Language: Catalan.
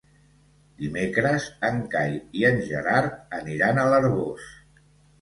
Dimecres en Cai i en Gerard aniran a l'Arboç.